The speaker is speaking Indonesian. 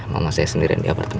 mama saya sendiri yang di apartemen